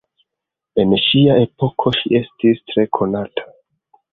En sia epoko ŝi estis tre konata.